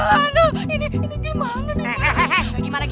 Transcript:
aduh ini gimana ini